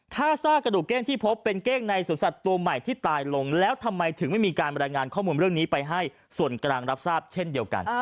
ถ้าซากกระดูกเก้งที่พบเป็นเก้งในสวนสัตว์ตัวใหม่ที่ตายลงแล้วทำไมถึงไม่มีการบรรยายงานข้อมูลเรื่องนี้ไปให้ส่วนกลางรับทราบเช่นเดียวกัน